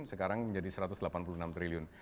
sekarang menjadi satu ratus delapan puluh enam triliun